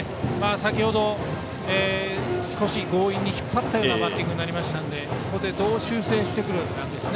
先程、少し強引に引っ張ったようなバッティングになりましたのでここで、どう修正してくるかです。